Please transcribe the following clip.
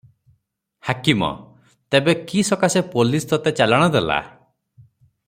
ହାକିମ - ତେବେ କି ସକାଶେ ପୋଲିଶ ତତେ ଚାଲାଣ ଦେଲା?